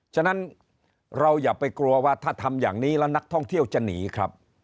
ฉะนั้นเราอย่าไปกลัวว่าถ้าทำอย่างนี้แล้วนักท่องเที่ยวจะหนีครับ